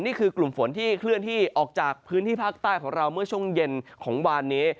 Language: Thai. นี่คือกลุ่มฝนที่เคลื่อนที่ออกจากพื้นที่ภาคใต้ของเราเมื่อช่วงเย็นของวานนี้